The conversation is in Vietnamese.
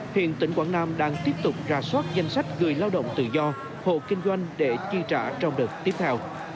hiện tỉnh quảng nam đang tiếp tục ra soát danh sách người lao động tự do hộ kinh doanh để chi trả trong đợt tiếp theo